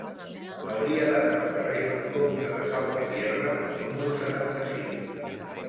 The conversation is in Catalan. Hauria d'anar al carrer del Comte de Salvatierra número setanta-sis.